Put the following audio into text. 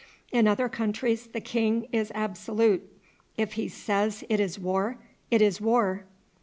In other countries the king is absolute; if he says it is war, it is war."